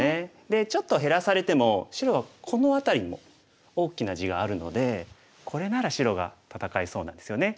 でちょっと減らされても白はこの辺りにも大きな地があるのでこれなら白が戦えそうなんですよね。